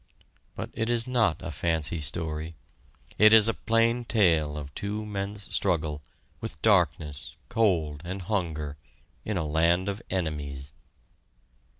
But it is not a fancy story it is a plain tale of two men's struggle, with darkness, cold, and hunger, in a land of enemies.